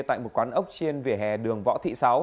tại một quán ốc trên vỉa hè đường võ thị sáu